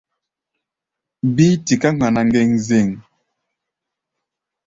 Bíí tiká ŋmana ŋgeŋzeŋ.